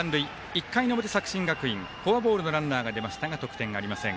１回の表、作新学院フォアボールのランナーが出ましたが得点がありません。